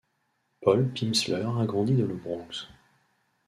Paul Pimsleur a grandi dans le Bronx.